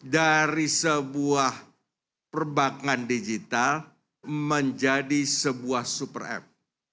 dari sebuah perbankan digital menjadi sebuah super app